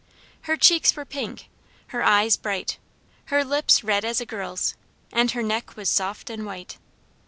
Her cheeks were pink, her eyes bright, her lips red as a girl's, and her neck was soft and white.